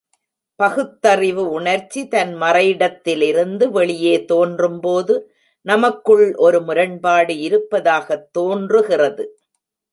பகுத்தறிவு உணர்ச்சி தன் மறை டத்திலிருந்து வெளியே தோன்றும்போது, நமக்குள் ஒரு முரண்பாடு இருப்பதாகத் தோன்றுகிறது.